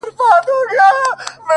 موري ډېوه دي ستا د نور د شفقت مخته وي!